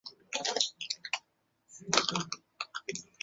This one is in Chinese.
每个区都设有专门的居住区以及提供营养补给等基础服务的区域。